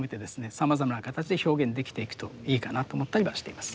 さまざまな形で表現できていくといいかなと思ったりはしています。